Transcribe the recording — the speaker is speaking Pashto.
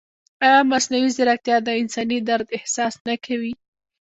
ایا مصنوعي ځیرکتیا د انساني درد احساس نه کوي؟